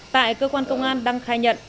tại cơ quan công an đăng khai nhận